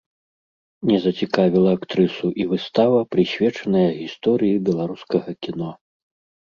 Не зацікавіла актрысу і выстава прысвечаная гісторыі беларускага кіно.